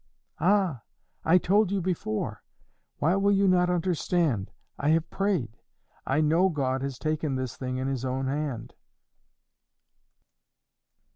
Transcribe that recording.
"Ah! I told you before. Why will you not understand? I have prayed. I know God has taken this thing in his own hand."